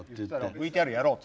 「ＶＴＲやろう」って。